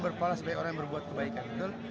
berpala sebagai orang yang berbuat kebaikan betul